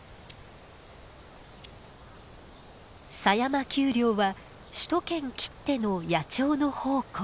狭山丘陵は首都圏きっての野鳥の宝庫。